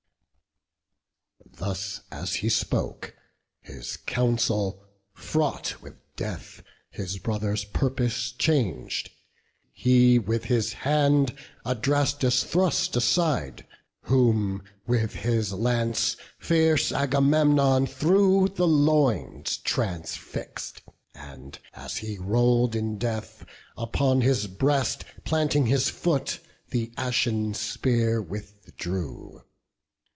Thus as he spoke, his counsel, fraught with death, His brother's purpose chang'd; he with his hand Adrastus thrust aside, whom with his lance Fierce Agamemnon through the loins transfix'd; And, as he roll'd in death, upon his breast Planting his foot, the ashen spear withdrew.